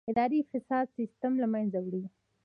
اداري فساد سیستم له منځه وړي.